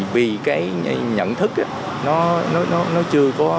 vì cái nhận thức nó chưa có